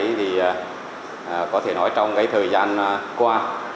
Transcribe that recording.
thì có thể nói trong cái thời gian qua